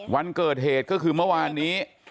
วันเกิดเหตุก็คือเมื่อวานนี้